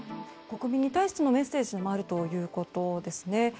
国民に対してのメッセージでもあるということですね。